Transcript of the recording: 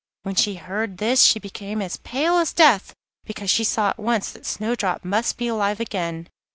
When she heard this she became as pale as death, because she saw at once that Snowdrop must be alive again.